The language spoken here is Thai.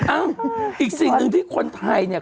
อีกสิ่งหนึ่งที่คนไทยเนี่ย